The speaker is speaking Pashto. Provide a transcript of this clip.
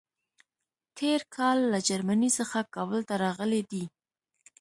تېر کال له جرمني څخه کابل ته راغلی دی.